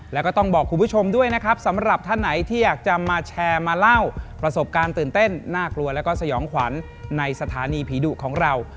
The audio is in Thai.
แล้วก็ต้องบอกคุณผู้ชมด้วยนะครับสำหรับท่านไหนที่อยากจะมาแชร์มาเล่าประสบการณ์ตื่นเต้นน่ากลัวแล้วก็สยองขวัญในสถานีผีดุของเรา